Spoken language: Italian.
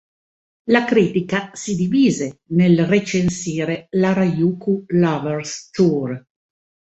La critica si divise nel recensire l’"Harajuku Lovers Tour".